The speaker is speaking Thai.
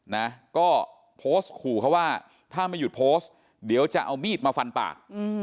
นะก็โพสต์ขู่เขาว่าถ้าไม่หยุดโพสต์เดี๋ยวจะเอามีดมาฟันปาก